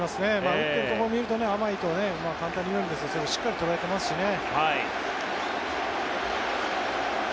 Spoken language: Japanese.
打っているところを見ると甘いとは簡単に言うんですがしっかり捉えていますしね。